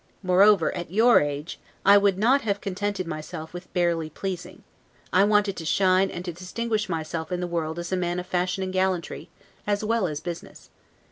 Moreover, at your age, I would not have contented myself with barely pleasing; I wanted to shine and to distinguish myself in the world as a man of fashion and gallantry, as well as business.